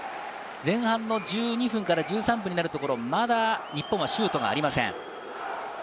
前半１２分から１３分になるところ、まだ日本はシュートがありません。